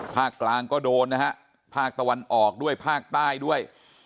ภาคกลางก็โดนนะฮะภาคตะวันออกด้วยภาคใต้ด้วย